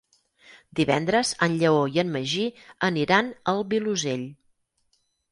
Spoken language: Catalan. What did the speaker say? Divendres en Lleó i en Magí aniran al Vilosell.